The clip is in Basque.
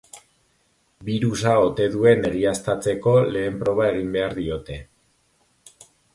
Birusa ote duen egiaztatzeko lehen proba egin behar diote.